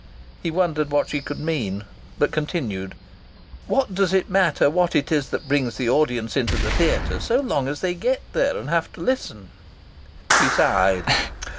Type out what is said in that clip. He wondered what she could mean, but continued: "What does it matter what it is that brings the audience into the theatre, so long as they get there and have to listen?" She sighed.